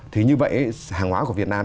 thì như vậy hàng hóa của việt nam